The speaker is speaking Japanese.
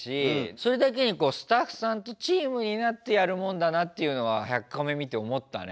それだけにスタッフさんとチームになってやるもんだなっていうのは「１００カメ」見て思ったね。